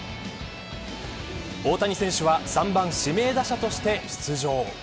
大谷選手は３番指名打者として出場。